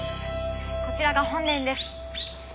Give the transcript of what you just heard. こちらが本殿です。